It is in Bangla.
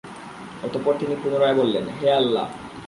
অতঃপর তিনি পুনরায় বললেন, হে আল্লাহ!